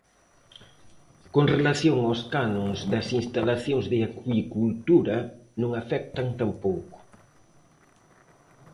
Con relación aos cánons das instalacións de acuicultura, non afectan tampouco.